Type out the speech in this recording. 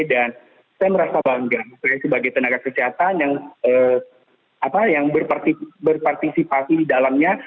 dan saya merasa bangga sebagai tenaga kesehatan yang berpartisipasi di dalamnya